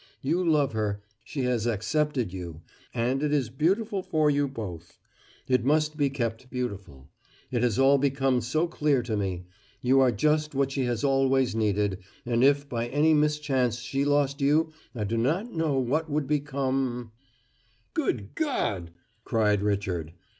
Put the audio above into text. You love her she has accepted you, and it is beautiful for you both. It must be kept beautiful. It has all become so clear to me: You are just what she has always needed, and if by any mischance she lost you I do not know what would become " "Good God!" cried Richard.